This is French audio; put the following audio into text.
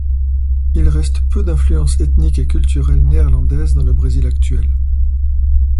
Il reste peu d'influences ethniques et culturelles néerlandaises dans le Brésil actuel.